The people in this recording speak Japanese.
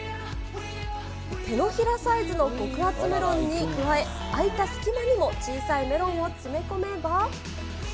手のひらサイズの極厚メロンに加え、空いた隙間にも小さいメロンを詰め込めば。